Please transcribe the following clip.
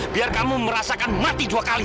biar kamu merasakan mati dua kali